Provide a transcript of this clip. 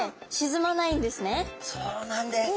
そうなんです。